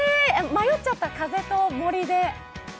迷っちゃった、風と森で。